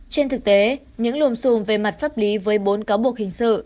trên thực tế những lùm xùm về mặt pháp lý với bốn cáo buộc hình sự